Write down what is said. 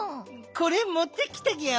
これもってきたギャオ。